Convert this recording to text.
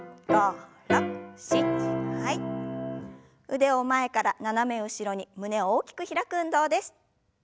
腕を前から斜め後ろに胸を大きく開く運動です。